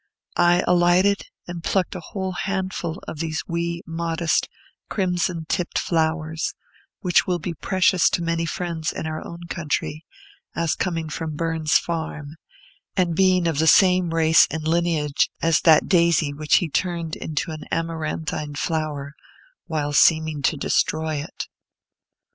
I alighted, and plucked a whole handful of these "wee, modest, crimson tipped flowers," which will be precious to many friends in our own country as coming from Burns's farm, and being of the same race and lineage as that daisy which he turned into an amaranthine flower while seeming to destroy it.